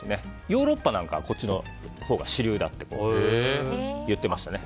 ヨーロッパなんかはこっちのほうが主流と言っていましたね。